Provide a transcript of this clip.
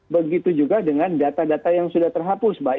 begitu juga dengan data data yang sudah terhapus